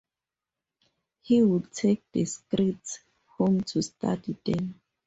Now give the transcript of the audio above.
He would take the scripts home to study them.